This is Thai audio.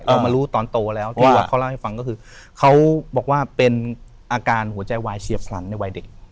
เรามารู้ตอนโตแล้วที่ว่าเขาเล่าให้ฟังก็คือเขาบอกว่าเป็นอาการหัวใจวายเฉียบพลันในวัยเด็ก